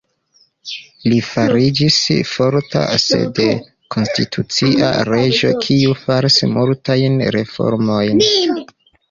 Li fariĝis forta sed konstitucia reĝo kiu faris multajn reformojn.